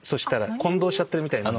混同しちゃってるみたいなので。